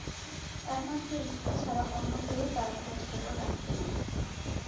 একমাত্র স্ত্রী ছাড়া অন্য কেউ তার খোঁজ-খবর রাখত না।